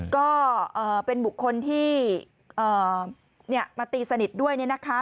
ก็เป็นบุคคลที่มาตีสนิทด้วย